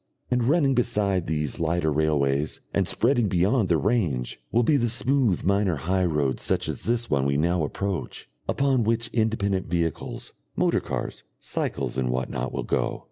And running beside these lighter railways, and spreading beyond their range, will be the smooth minor high roads such as this one we now approach, upon which independent vehicles, motor cars, cycles, and what not, will go.